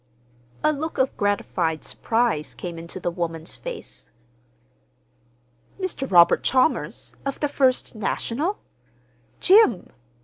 A look of gratified surprise came into the woman's face. "Mr. Robert Chalmers, of the First National? Jim!"